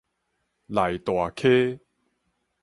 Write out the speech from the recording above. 內大溪